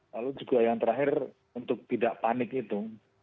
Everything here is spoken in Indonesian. lalu juga yang terakhir untuk tidak panik itu